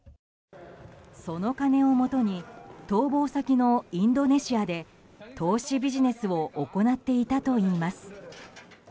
その金をもとに逃亡先のインドネシアで投資ビジネスを行っていたといいます。